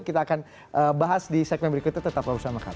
kita akan bahas di segmen berikutnya tetap bersama kami